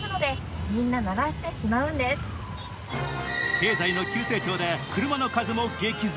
経済の急成長で車の数も激増。